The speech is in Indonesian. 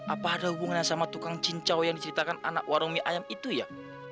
apa ada hubungannya sama tukang cincau yang diceritakan anak warung mie ayam itu ya